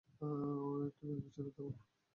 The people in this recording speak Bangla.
টেপের পিছনে থাকুন।